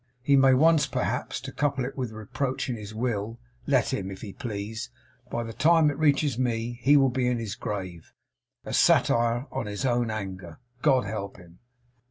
He may once, perhaps to couple it with reproach in his will. Let him, if he please! By the time it reaches me, he will be in his grave; a satire on his own anger, God help him!